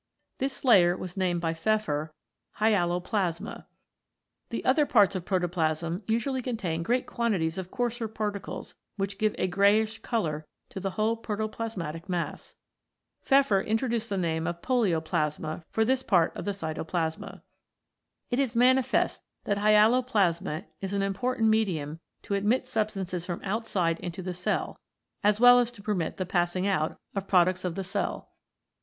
This layer was named by Pfeffer Hyaloplasma. The other parts of protoplasm usually contain great quantities of coarser particles which give a greyish colour to the whole protoplasmatic mass. Pfeffer introduced the name of Polioplasma for this part of the cytoplasma. It is manifest that Hyaloplasm is an important medium to admit substances from outside into the cell as well as to permit the passing out of products of the cell.